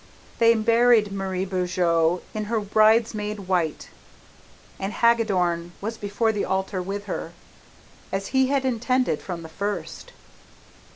They buried Marie Beaujeu in her bridesmaid white, and Hagadorn was before the altar with her, as he had intended from the first!